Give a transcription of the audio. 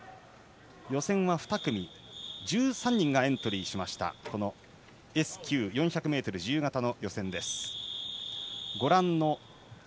予選は２組１３人がエントリーしましたこのＳ９、４００ｍ自由形予選。